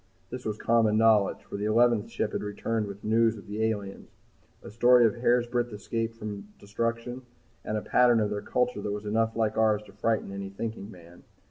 This was common knowledge, for the eleventh ship had returned with the news of the aliens, a story of hairbreadth escape from destruction, and a pattern of their culture which was enough like ours to frighten any thinking man.